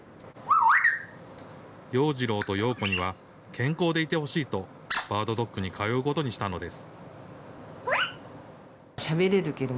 ヨウジロウとヨウコには健康でいてほしいと、バードドックに通うことにしたのです。